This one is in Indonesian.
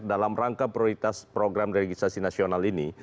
dalam rangka prioritas program registrasi nasional ini